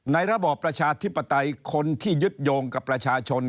ระบอบประชาธิปไตยคนที่ยึดโยงกับประชาชน